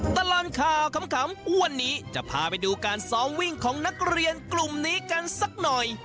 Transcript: ตลอดข่าวขำวันนี้จะพาไปดูการซ้อมวิ่งของนักเรียนกลุ่มนี้กันสักหน่อย